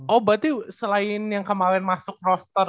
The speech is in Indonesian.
oh berarti selain yang kemarin masuk roster